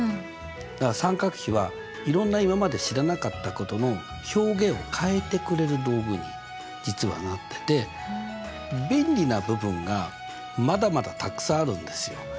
だから三角比はいろんな今まで知らなかったことの表現を変えてくれる道具に実はなってて便利な部分がまだまだたくさんあるんですよ。